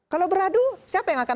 kalau beradu siapa yang akan